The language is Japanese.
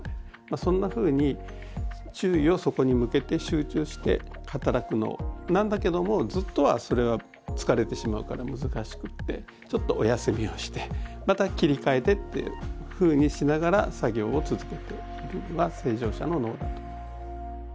そんなふうに注意をそこに向けて集中して働くんだけどもずっとはそれは疲れてしまうから難しくてちょっとお休みをしてまた切り替えてっていうふうにしながら作業を続けているのは正常者の脳だと。